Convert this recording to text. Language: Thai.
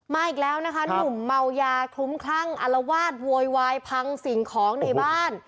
อีกแล้วนะคะหนุ่มเมายาคลุ้มคลั่งอารวาสโวยวายพังสิ่งของในบ้าน